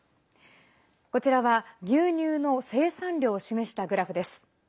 こちらは牛乳の生産量を示したグラフです。